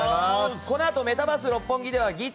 このあとメタバース六本木では「ギーツ」